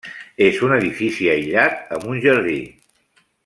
És un edifici aïllat, amb un jardí.